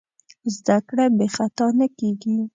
زدهکړه بېخطا نه کېږي.